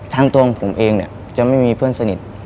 ตัวของผมเองเนี่ยจะไม่มีเพื่อนสนิท